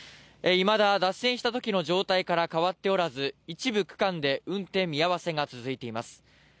今だ脱線したときの状態から変わっておらず、一部区間で運転見合わせが続いています。